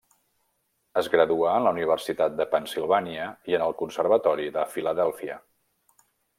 Es graduà en la Universitat de Pennsilvània i en el Conservatori de Filadèlfia.